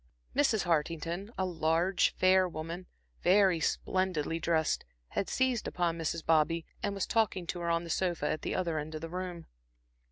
Mrs. Hartington, a large fair woman, very splendidly dressed, had seized upon Mrs. Bobby and was talking to her on a sofa at the other end of the room.